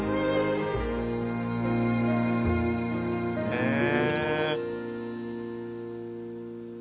へえ。